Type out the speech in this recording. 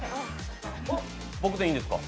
僕でいいんですか？